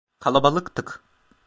Kalabalıktık.